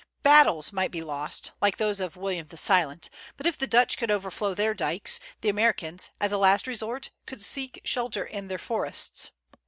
Battles might be lost, like those of William the Silent, but if the Dutch could overflow their dikes, the Americans, as a last resort, could seek shelter in their forests.